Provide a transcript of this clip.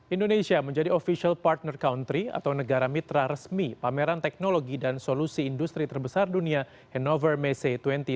indonesia menjadi official partner country atau negara mitra resmi pameran teknologi dan solusi industri terbesar dunia hannover messe dua ribu dua puluh